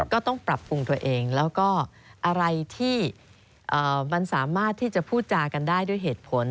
ก็ต้องปรับปรุงตัวเองแล้วก็อะไรที่มันสามารถที่จะพูดจากันได้ด้วยเหตุผล